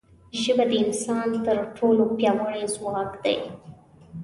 ژبه د انسان تر ټولو پیاوړی ځواک دی